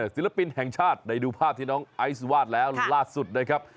ศิลปินแห่งชาติได้ดูภาพที่น้องไอซ์วาดแล้วล่าสุดนะครับ